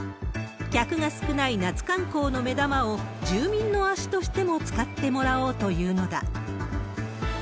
客が少ない夏観光の目玉を住民の足としても使ってもらおうというのだ。